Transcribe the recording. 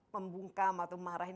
membungkam atau memarah